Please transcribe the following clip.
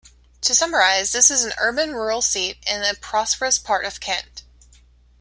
To summarise this is an urban-rural seat in a prosperous part of Kent.